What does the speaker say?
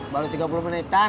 baru tiga puluh menitan